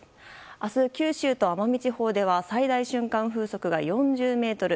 明日、九州と奄美地方では最大瞬間風速が４０メートル。